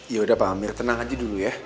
yaudah pak amir tenang aja dulu ya